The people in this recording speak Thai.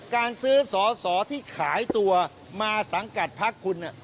การซื้อสอสอที่ขายตัวมาสังกัดพักคุณ